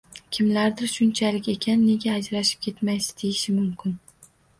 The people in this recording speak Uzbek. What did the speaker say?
Kimlardir shunchalik ekan, nega ajrashib ketmaysiz deyishi mumkin